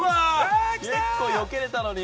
結構よけれたのに。